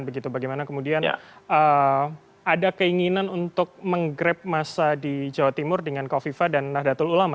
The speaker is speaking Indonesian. begitu bagaimana kemudian ada keinginan untuk menggrab masa di jawa timur dengan kofifa dan nahdlatul ulama